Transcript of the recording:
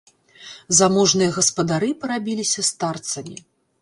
Заможныя гаспадары парабіліся старцамі.